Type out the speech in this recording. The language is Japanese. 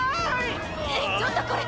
えっちょっとこれ。